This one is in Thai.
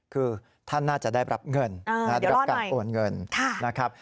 คือท่านน่าจะได้รับเงินเออเดี๋ยวรอดหน่อยรับการโอนเงินค่ะนะครับ